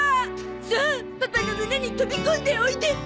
さあパパの胸に飛び込んでおいで！